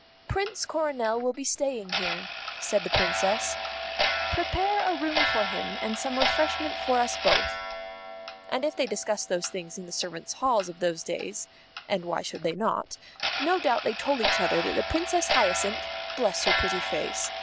"Prince Coronel will be staying here," said the Princess. "Prepare a room for him and some refreshment for us both." And if they discussed those things in the servants' halls of those days (as why should they not?), no doubt they told each other that the Princess Hyacinth (bless her pretty face!)